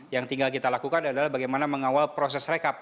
yang tinggal kita lakukan adalah bagaimana mengawal proses rekap